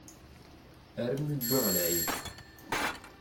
Armi wwiɣ lεib.